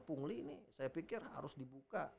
pungguli ini saya pikir harus dibuka